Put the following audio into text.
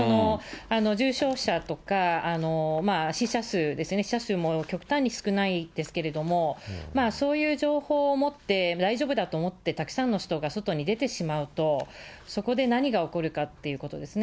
重症者とか、死者数ですよね、死者数も極端に少ないですけれども、そういう情報をもって大丈夫だと思って、たくさんの人が外に出てしまうと、そこで何が起こるかっていうことですね。